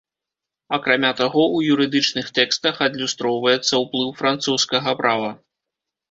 Акрамя таго, у юрыдычных тэкстах адлюстроўваецца ўплыў французскага права.